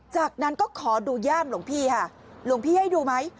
จากนั้นก็ขอดูย่ามหลวงพี่ค่ะหลวงพี่ให้ดูไหม